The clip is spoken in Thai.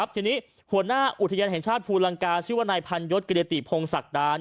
ทีนี้หัวหน้าอุทยานแห่งชาติภูลังกาชื่อว่านายพันยศกิริติพงศักดา